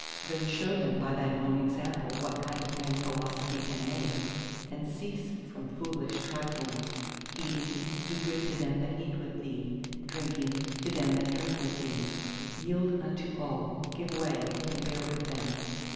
then show them by thine own example what kind of men philosophy can make, and cease from foolish trifling. Eating, do good to them that eat with thee; drinking, to them that drink with thee; yield unto all, give way, and bear with them.